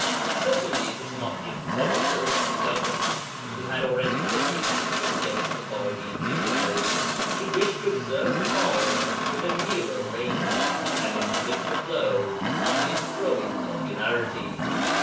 Certainly it is not improbable that the governor, who had already taken action against the Bābī missionaries, should wish to observe the Bāb within a nearer range, and inflict a blow on his growing popularity.